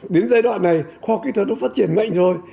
đến giai đoạn này khoa kỹ thuật nó phát triển mạnh rồi